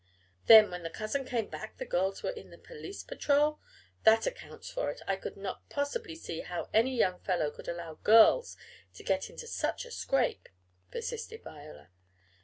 "Then, when the cousin came back the girls were in the police patrol? That accounts for it. I could not possibly see how any young fellow could allow girls to get into such a scrape," persisted Viola.